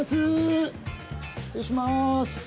失礼します。